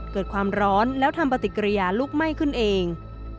เกิดความร้อนแล้วทำปฏิกิริยาลุกไหม้ขึ้นเอง